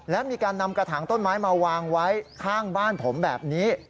และมีการนำกระถางต้นไม้มาวางไว้ข้างบ้านผมแบบนี้